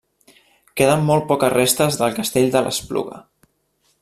Queden molt poques restes del castell de l'Espluga.